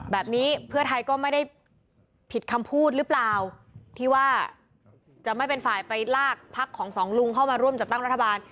แบบนี้เพื่อไทยก็ไม่ได้ผิดคำพูดหรือเปล่าที่ว่าจะไม่เป็นฝ่ายไปลากพักของสองลุงเข้ามาร่วมจัดตั้งรัฐบาล